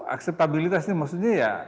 akseptabilitas ini maksudnya ya